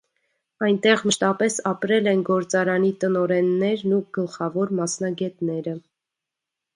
Այնտեղ մշտապես ապրել են գործարանի տնօրեններն ու գլխավոր մասնագետները։